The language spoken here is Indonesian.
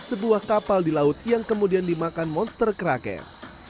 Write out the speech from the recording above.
sebuah kapal di laut yang kemudian dimakan monster kraken